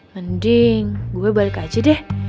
mending gue balik aja deh